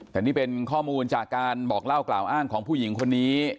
แต่นี่เป็นข้อมูลจากการบอกเล่ากล่าวอ้างของผู้หญิงคนนี้